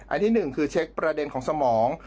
ที่๑คือเช็คประเด็นของสมอง